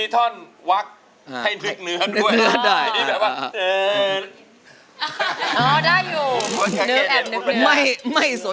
โทษ